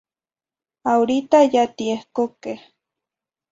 Ahorita ya tiehcoqueh.